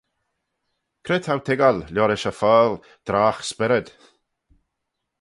Cre t'ou toiggal liorish y fockle drogh-spyrryd?